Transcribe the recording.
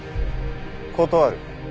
断る。